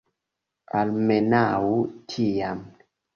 Almenaŭ tiam.